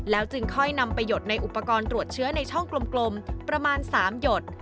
จึงค่อยนำไปหยดในอุปกรณ์ตรวจเชื้อในช่องกลมประมาณ๓หยด